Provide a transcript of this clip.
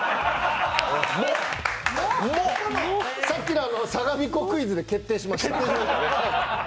さっきの相模湖クイズで決定しました。